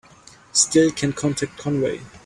Still can't contact Conway.